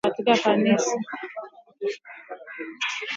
Mu weke bia kuria biote mu ma nsaka tu ka peleke ku kanisa